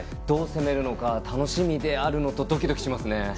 どう攻めるのか楽しみであるのとドキドキしますね。